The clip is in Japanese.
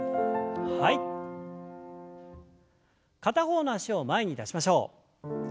片方の脚を前に出しましょう。